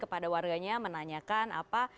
kepada warganya menanyakan apa